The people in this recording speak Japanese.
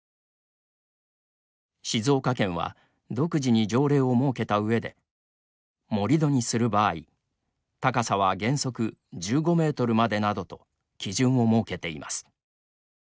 静岡県は独自に条例を設けたうえで盛り土にする場合高さは原則１５メートルまでなどと基準を設けています。